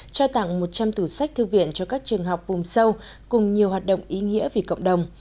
trao tặng một trăm linh tủ sách thư viện cho các trường học vùng sâu cùng nhiều hoạt động ý nghĩa vì cộng đồng